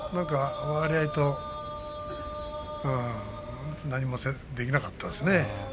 何もせず何もできなかったですね。